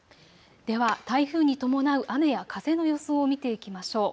では台風に伴う雨や風の予想を見ていきましょう。